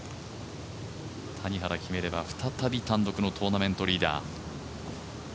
谷原、決めれば再び単独のトーナメントリーダー。